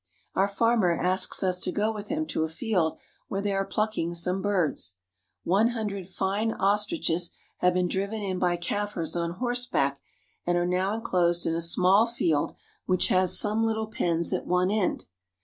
Our farmer asks us to go with him to a field where they ire plucking some birds. One hundred fine ostriches ^93 ^ 294 ^H 29 ^^B have been driven in by Kaffirs on horseback, and are ^^H now inclosed in a small field which has some little pens at ^^H one end.